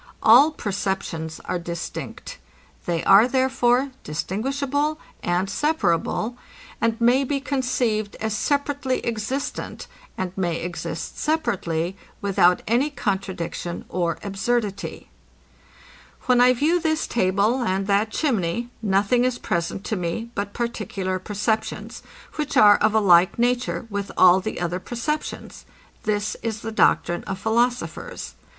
All perceptions are distinct. They are, therefore, distinguishable, and separable, and may be conceived as separately existent, and may exist separately, without any contradiction or absurdity. When I view this table and that chimney, nothing is present to me but particular perceptions, which are of a like nature with all the other perceptions. This is the doctrine of philosophers.